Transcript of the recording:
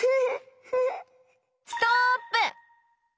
ストップ！